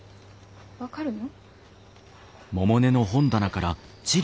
分かるの？